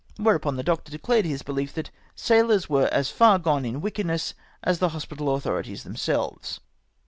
Wliereupon the doctor declared liis belief that " sailors were as far gone in wickedness as the hospital authorities themselves."